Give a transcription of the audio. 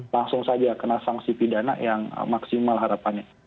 langsung saja kena sanksi pidana yang tidak bisa dikawal